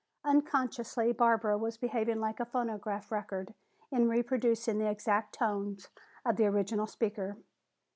Unconsciously Barbara was behaving like a phonograph record in reproducing the exact tones of the original speaker.